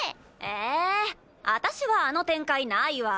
え私はあの展開ないわ。